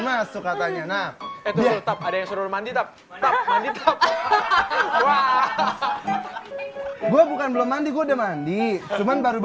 masuk katanya nah itu tetap ada yang suruh mandi tapi gue bukan belum mandi gue udah mandi cuman baru